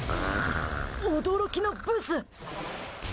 驚きのブス！